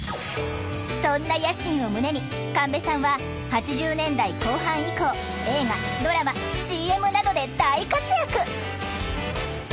そんな野心を胸に神戸さんは８０年代後半以降映画ドラマＣＭなどで大活躍！